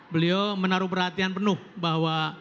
beliau menaruh perhatian penuh bahwa